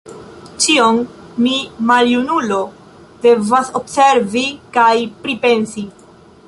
Ĉion mi, maljunulo, devas observi kaj pripensi!